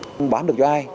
không bán được cho ai